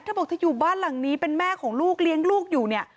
บอกเธออยู่บ้านหลังนี้เป็นแม่ของลูกเลี้ยงลูกอยู่เนี่ย